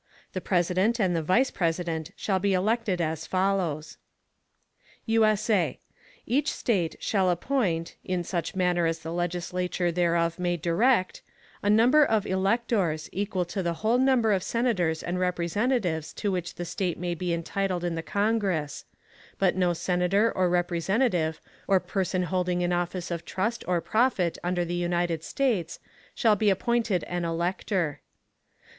The President and the Vice President shall_ be elected as follows: [USA] Each State shall appoint, in such Manner as the Legislature thereof may direct, a Number of Electors, equal to the whole Number of Senators and Representatives to which the State may be entitled in the Congress: but no Senator or Representative, or Person holding an Office of Trust or Profit under the United States, shall be appointed an Elector.